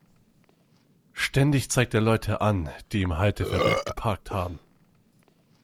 Ständig zeigt er Leute an, die im Halteverbot geparkt haben.